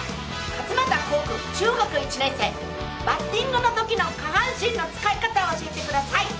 かつまたこう君、中学１年生、バッティングのときの下半身の使い方を教えてください。